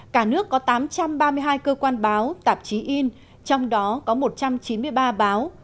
cả nước có tám trăm ba mươi hai cơ quan báo tạp chí in trong đó có một trăm chín mươi ba báo